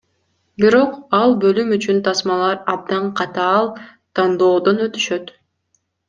Бирок ал бөлүм үчүн тасмалар абдан катаал тандоодон өтүшөт.